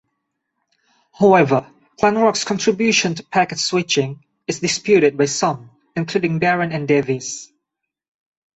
However, Kleinrock's contribution to packet switching is disputed by some, including Baran and Davies.